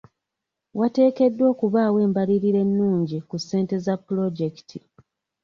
Wateekeddwa okubaawo embalirira ennungi ku ssente za pulojekiti.